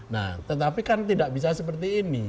nah tetapi kan tidak bisa seperti ini